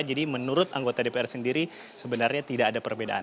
jadi menurut anggota dpr sendiri sebenarnya tidak ada perbedaan